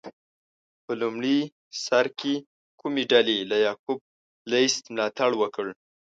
په لومړي سر کې کومې ډلې له یعقوب لیث ملاتړ وکړ؟